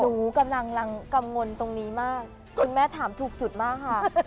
หนูกำลังกังวลตรงนี้มากคุณแม่ถามถูกจุดมากค่ะ